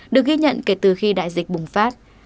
được ghi nhận kể từ khi đại dịch bùng phát